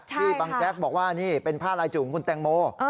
บางแจ๊กบอกว่านี่เป็นผ้าลายจูบของคุณแตงโม